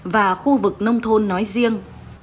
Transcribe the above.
và khu vực nông thôn nói riêng